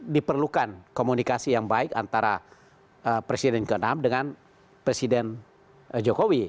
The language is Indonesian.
diperlukan komunikasi yang baik antara presiden ke enam dengan presiden jokowi